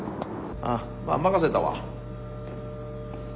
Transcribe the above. ああまぁ任せたわ。